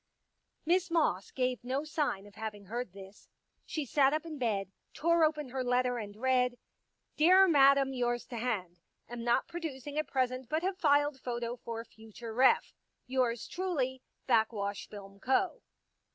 Miss Moss gave no sign of having heard this. She sat up in bed, tore open her letter and read :*' Dear Madam, Yours to hand. Am not producing at present, but have filed photo for future ref. Yours truly, Backwash Film Co."